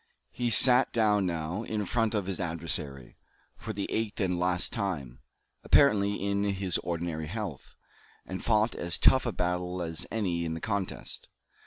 He sat down now, in front of his adversary, for the eighth and last time, apparently in his ordinary health, and fought as tough a battle as any in the contest.